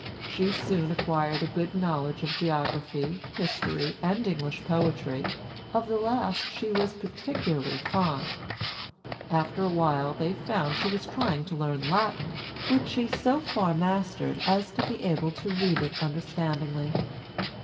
She soon acquired a good knowledge of geography, history, and English poetry; of the last she was particularly fond. After a while, they found she was trying to learn Latin, which she so far mastered as to be able to read it understandingly.